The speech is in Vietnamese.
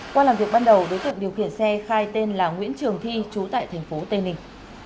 qua làm việc ban đầu đối tượng điều khiển xe khai tên là nguyễn trường thi trú tại tp tây ninh